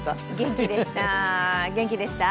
元気でした。